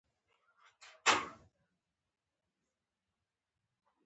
دوام د باور له ثبات نه راځي.